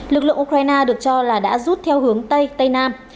lực lượng ukraine được cho là đã rút theo hướng tây tây nam